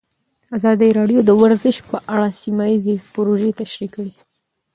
ازادي راډیو د ورزش په اړه سیمه ییزې پروژې تشریح کړې.